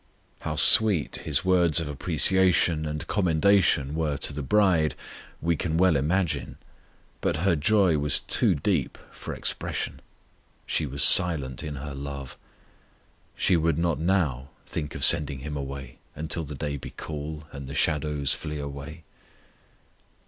How sweet His words of appreciation and commendation were to the bride we can well imagine; but her joy was too deep for expression; she was silent in her love. She would not now think of sending Him away until the day be cool and the shadows flee away.